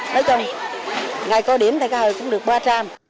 nói chung ngày có điểm thì cái hồi cũng được ba trăm linh